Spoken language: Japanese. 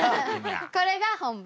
これが本番。